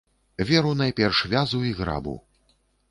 Веру найперш вязу і грабу.